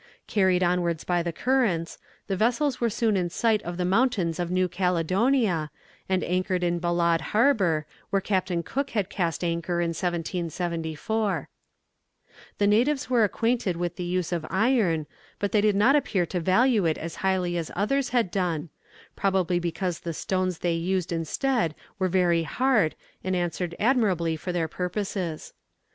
Carried onwards by the currents, the vessels were soon in sight of the mountains of New Caledonia, and anchored in Balade harbour, where Captain Cook had cast anchor in 1774. [Footnote 5: Seventh month of the Republican calendar, from 21st March to 19th April.] The natives were acquainted with the use of iron, but they did not appear to value it as highly as others had done, probably because the stones they used instead were very hard and answered admirably for their purposes.